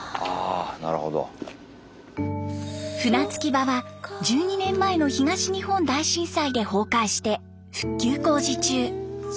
船着き場は１２年前の東日本大震災で崩壊して復旧工事中。